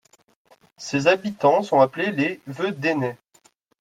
Ses habitants sont appelés les Vedènais.